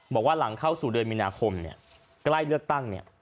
บอกว่าหลังเข้าสู่เดือนมีนาคมเนี่ยใกล้เลือกตั้งเนี่ย